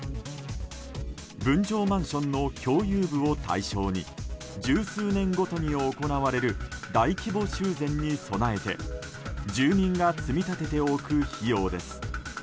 分譲マンションの共有部を対象に十数年ごとに行われる大規模修繕に備えて住民が積み立てておく費用です。